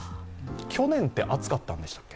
去年って暑かったんでしたっけ。